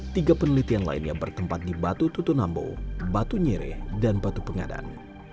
tiga penelitian lain yang bertempat di batu tutunambo batu nyireh dan batu pengadan